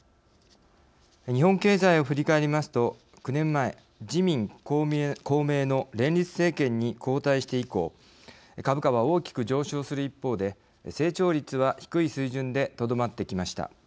日本経済を振り返りますと９年前自民・公明の連立政権に交代して以降株価は大きく上昇する一方で成長率は低い水準でとどまってきました。